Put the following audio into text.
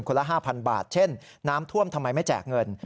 ละ๕๐๐บาทเช่นน้ำท่วมทำไมไม่แจกเงิน